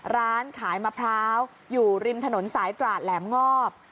ร้านขายมะพร้าวอยู่ริมถนนสายตราดแหลมงอบ